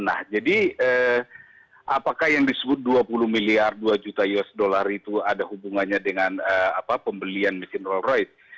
nah jadi apakah yang disebut dua puluh miliar dua juta usd itu ada hubungannya dengan pembelian mesin roll road